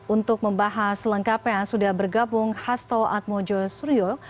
untuk membahas selengkapnya sudah bergabung hasto atmojo suryo